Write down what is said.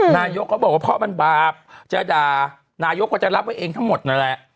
นายกก็บอกว่าเพราะมันบาปจะด่านายกก็จะรับไว้เองทั้งหมดนั่นแหละ